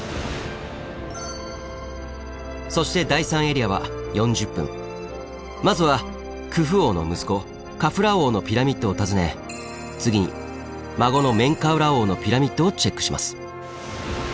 そしてまずはクフ王の息子カフラー王のピラミッドを訪ね次に孫のメンカウラー王のピラミッドをチェックします。